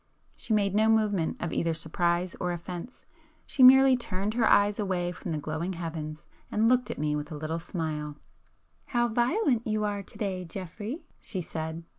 She made no movement of either surprise or offence,—she merely turned her eyes away from the glowing heavens, and looked at me with a little smile. "How violent you are to day, Geoffrey!" she said.